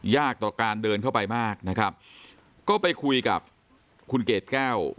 ต่อการเดินเข้าไปมากนะครับก็ไปคุยกับคุณเกดแก้ว